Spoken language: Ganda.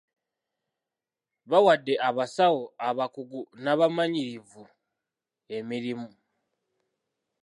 Bawadde abasawo abakugu n'abamanyirivu emirimu.